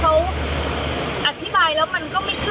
เขาอธิบายแล้วมันก็ไม่เชื่อ